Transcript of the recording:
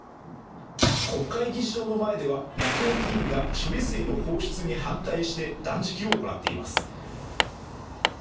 国会議事堂の前では野党議員が処理水の放出に反対して断食を行っています。